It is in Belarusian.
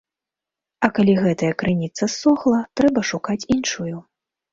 А калі гэтая крыніца ссохла, трэба шукаць іншую.